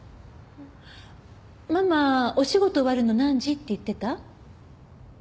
ママお仕事終わるの何時って言ってた？